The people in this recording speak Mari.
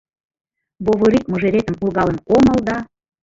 Вовырик мыжеретым ургалын омыл да